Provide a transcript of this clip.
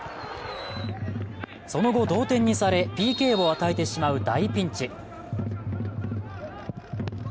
その後、同点にされ、ＰＫを与えてしまう大ピンチ。